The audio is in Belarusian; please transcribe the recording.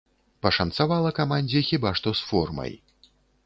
Пашанцавала камандзе хіба што з формай.